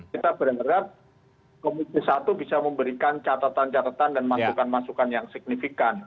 kita berharap komisi satu bisa memberikan catatan catatan dan masukan masukan yang signifikan